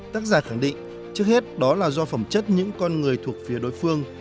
tác giả khẳng định trước hết đó là do phẩm chất những con người thuộc phía đối phương